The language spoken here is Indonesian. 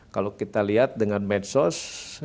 kalau kita lihat dengan medsos